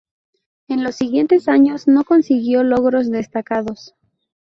En los siguientes años no consiguió logros destacados.